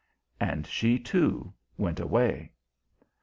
And she, too, went away.